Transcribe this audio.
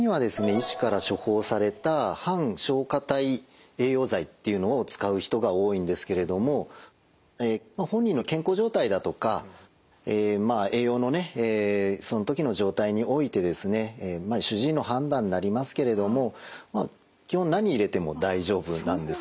医師から処方された半消化態栄養剤っていうのを使う人が多いんですけれども本人の健康状態だとか栄養のその時の状態においてですね主治医の判断になりますけれどもまあ基本何入れても大丈夫なんです。